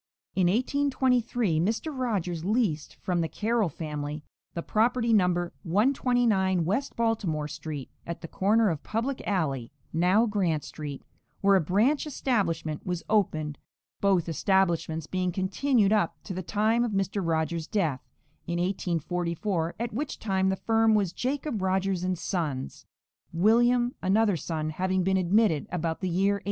In 1823 Mr. Rogers leased from the Carroll family the property No. 129 West Baltimore street, at the corner of Public alley (now Grant street), where a branch establishment was opened, both establishments being continued up to the time of Mr. Rogers' death, in 1844, at which time the firm was "Jacob Rogers & Sons," William, another son, having been admitted about the year 1835.